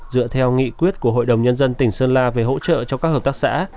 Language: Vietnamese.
dựa theo nghị quyết của hội đồng nhân dân tỉnh sơn la về hỗ trợ cho các hợp tác xã